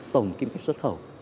tổng kỹ mức xuất khẩu